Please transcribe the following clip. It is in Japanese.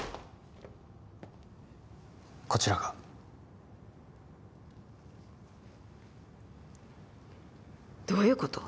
こちらがどういうこと！？